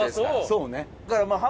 そうね。